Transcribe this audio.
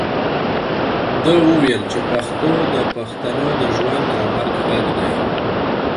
ده وویل چي پښتو د پښتنو د ژوند او مرګ غږ دی.